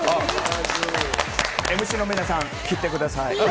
ＭＣの皆さん来てください！